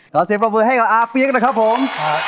ขอเสียงปรบมือให้กับอาเปี๊ยกนะครับผม